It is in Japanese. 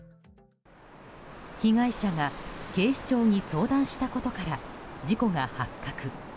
被害者が警視庁に相談したことから事故が発覚。